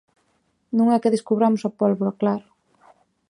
Non é que descubramos a pólvora, claro.